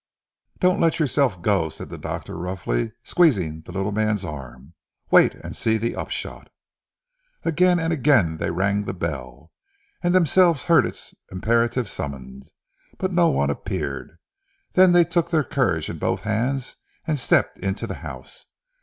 "Don't let yourself go," said the doctor roughly squeezing the little man's arm, "wait and see the upshot." Again and again they rang the bell, and themselves heard its imperative summons: but no one appeared. Then they took their courage in both hands, and stepped into the house.